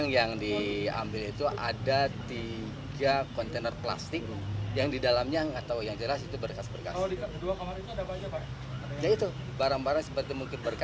yang diambil apa saja pak